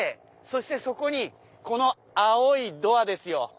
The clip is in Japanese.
そしてそこにこの青いドアですよ。